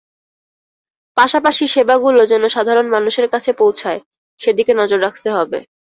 পাশাপাশি সেবাগুলো যেন সাধারণ মানুষের কাছে পৌঁছায়, সেদিকে নজর রাখতে হবে।